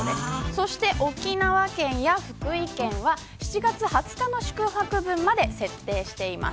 そして沖縄県や福井県は７月２０日の宿泊分まで設定しています。